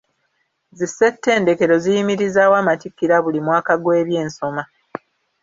Zi ssettendekero ziyimirizaawo amattikira buli mwaka gw'ebyensoma.